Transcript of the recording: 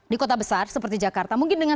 di kota besar seperti jakarta mungkin dengan